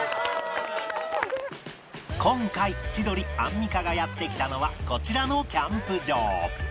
今回千鳥アンミカがやって来たのはこちらのキャンプ場